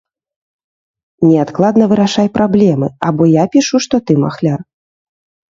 Неадкладна вырашай праблемы або я пішу, што ты махляр.